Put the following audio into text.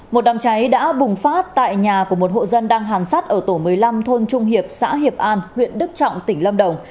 một đám cháy đã bùng phát tại nhà của một hộ dân đang hàn sắt ở tổ một mươi năm thôn trung hiệp xã hiệp an huyện đức trọng tỉnh lâm đồng